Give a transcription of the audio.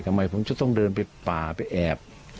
ทำไมผมจะต้องเดินไปป่าไปแอบ